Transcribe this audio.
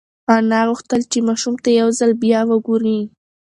انا غوښتل چې ماشوم ته یو ځل بیا وگوري.